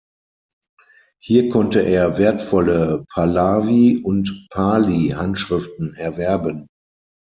Hier konnte er wertvolle Pahlavi- und Pali-Handschriften erwerben.